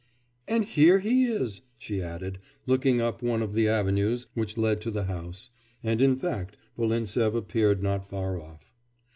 'And here he is,' she added, looking up one of the avenues which led to the house, and in fact Volintsev appeared not far off.